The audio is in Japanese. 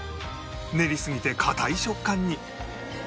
練りすぎて硬い食感に